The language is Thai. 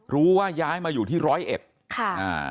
รู้ว่าย้ายมาอยู่ที่ร้อยเอ็ดค่ะอ่า